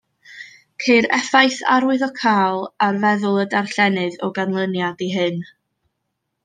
Ceir effaith arwyddocaol ar feddwl y darllenydd o ganlyniad i hyn